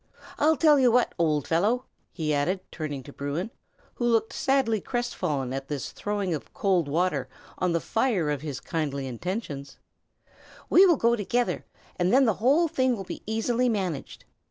I'll tell you what, old fellow!" he added, turning to Bruin, who looked sadly crestfallen at this throwing of cold water on the fire of his kindly intentions, "we will go together, and then the whole thing will be easily managed.